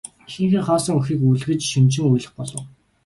Эхийнхээ хоосон хөхийг үлгэж шөнөжин уйлах болов.